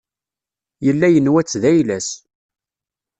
Yella yenwa-tt d ayla-s.